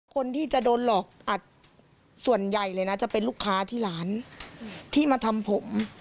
คนที่จะโดนหลอกอัดส่วนใหญ่เลยนะจะเป็นลูกค้าที่ร้านที่มาทำผม